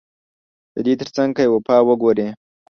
ددې ترڅنګ که يې وفا وګورې